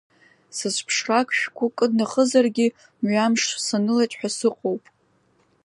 Сызԥшрак шәгу кыднахызаргьы, мҩамш санылеит ҳәа сыҟоуп!